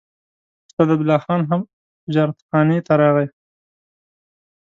استاد عبدالله خان هم تجارتخانې ته راغی.